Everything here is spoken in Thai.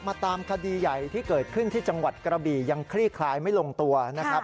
ตามคดีใหญ่ที่เกิดขึ้นที่จังหวัดกระบี่ยังคลี่คลายไม่ลงตัวนะครับ